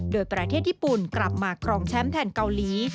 โดยประเทศญี่ปุ่นกลับมาครองแชมป์แทนเกาหลี